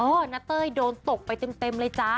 นาเต้ยโดนตกไปเต็มเลยจ้า